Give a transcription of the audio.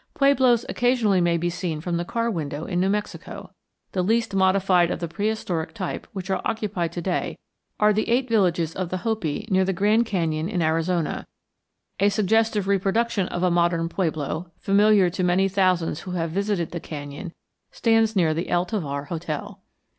Pueblos occasionally may be seen from the car window in New Mexico. The least modified of the prehistoric type which are occupied to day are the eight villages of the Hopi near the Grand Canyon in Arizona; a suggestive reproduction of a model pueblo, familiar to many thousands who have visited the canyon, stands near the El Tovar Hotel.